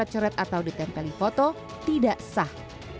yang dicoret coret atau ditempeli foto tidak sah